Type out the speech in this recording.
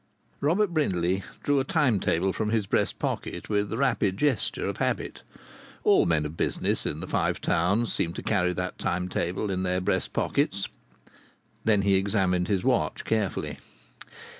Robert Brindley drew a time table from his breast pocket with the rapid gesture of habit. All men of business in the Five Towns seem to carry that time table in their breast pockets. Then he examined his watch carefully.